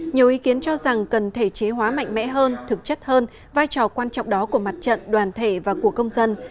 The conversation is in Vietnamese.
nhiều ý kiến cho rằng cần thể chế hóa mạnh mẽ hơn thực chất hơn vai trò quan trọng đó của mặt trận đoàn thể và của công dân